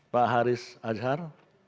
pak haris azhar